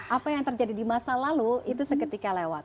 apa yang terjadi di masa lalu itu seketika lewat